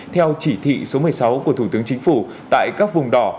theo chỉ thị số một mươi sáu của thủ tướng chính phủ tại các vùng đỏ